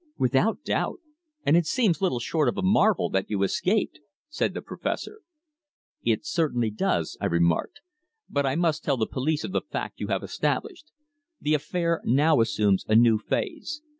"Without doubt. And it seems little short of a marvel that you escaped," said the Professor. "It certainly does," I remarked. "But I must tell the police of the fact you have established. The affair now assumes a new phase.